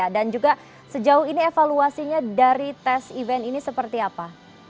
dan juga sejauh ini evaluasinya dari tes event ini seperti apa